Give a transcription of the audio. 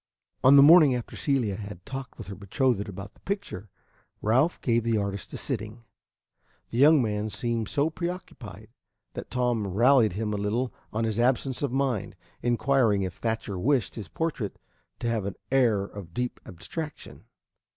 On the morning after Celia had talked with her betrothed about the picture, Ralph gave the artist a sitting. The young man seemed so preoccupied that Tom rallied him a little on his absence of mind, inquiring if Thatcher wished his portrait to have an air of deep abstraction.